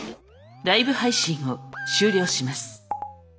ライブ配信を終了します。